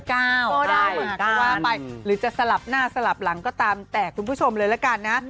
ก็ได้มาก็ว่าไปหรือจะสลับหน้าสลับหลังก็ตามแต่คุณผู้ชมเลยละกันนะ